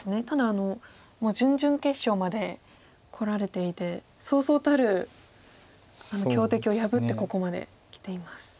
ただ準々決勝までこられていてそうそうたる強敵を破ってここまできています。